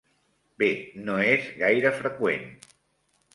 Bé, no és gaire freqüent.